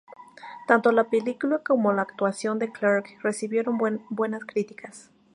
Tanto la película como la actuación de Clarke recibieron buenas críticas.